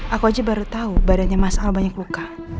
aku aja baru tau badannya mas al banyak luka